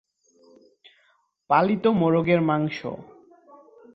পালিত মোরগের মাংস।